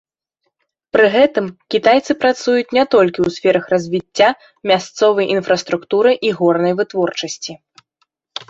Пры гэтым кітайцы працуюць не толькі ў сферах развіцця мясцовай інфраструктуры і горнай вытворчасці.